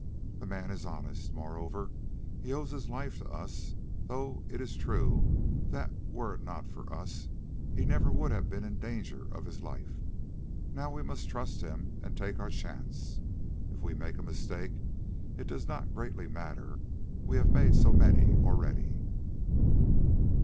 The man is honest; moreover, he owes his life to us, though it is true that were it not for us he would never have been in danger of his life. Now we must trust him and take our chance; if we make a mistake, it does not greatly matter—we have made so many already."